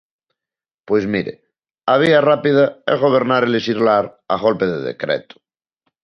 Pois mire, a vía rápida é gobernar e lexislar a golpe de decreto.